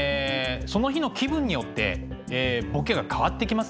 その日の気分によってボケが変わってきますね。